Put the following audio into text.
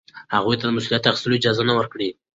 هغوی ته د مسؤلیت اخیستلو اجازه ورکړئ.